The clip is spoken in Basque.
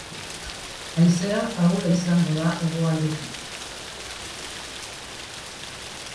Haizea ahula izango da hegoaldetik.